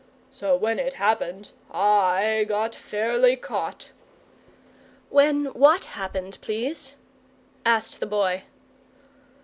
So when it happened I got fairly caught." "When WHAT happened, please?" asked the Boy.